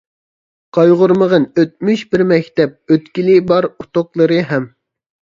قايغۇرمىغىن ئۆتمۈش بىر مەكتەپ، ئۆتكىلى بار ئۇتۇقلىرى ھەم.